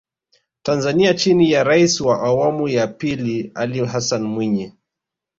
Tanzania chini ya Rais wa awamu ya pili Ali Hassan Mwinyi